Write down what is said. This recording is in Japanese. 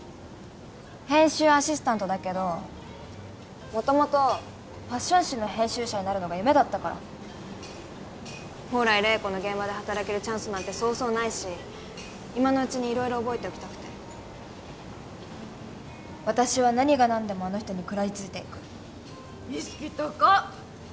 編集アシスタントだけど元々ファッション誌の編集者になるのが夢だったから宝来麗子の現場で働けるチャンスなんてそうそうないし今のうちに色々覚えておきたくて私は何が何でもあの人に食らいついていく意識高っ！